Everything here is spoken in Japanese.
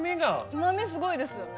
うまみすごいですよね。